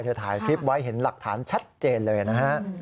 ถ่ายคลิปไว้เห็นหลักฐานชัดเจนเลยนะฮะ